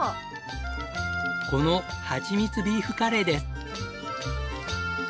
このはちみつビーフカレーです。